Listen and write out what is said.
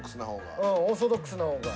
オーソドックスな方が。